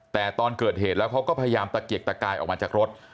แต่ตอนเกิดเหตุแล้วเขาก็พยายามตะเกียกตะกายออกมาจากรถ